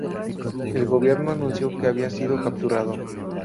El gobierno anunció que había sido capturado.